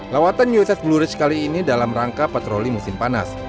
lawatan uss blueridge kali ini dalam rangka patroli musim panas